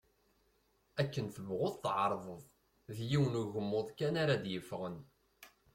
Akken tebɣuḍ tεerḍeḍ, d yiwen ugmuḍ kan ara d-yeffɣen.